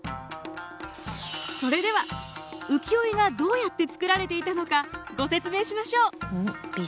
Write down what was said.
それでは浮世絵がどうやって作られていたのかご説明しましょう。